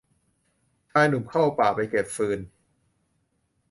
ชายหนุ่มเข้าป่าไปเก็บฟืน